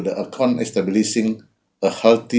menetapkan industri sistem uang yang sehat